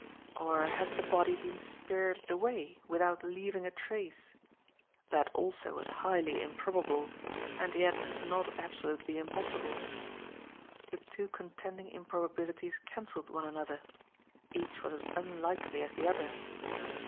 Or had the body been spirited away without leaving a trace? That also was highly improbable and yet, not absolutely impossible. The two contending improbabilities cancelled one another. Each was as unlikely as the other.